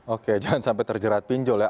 oke jangan sampai terjerat pinjol ya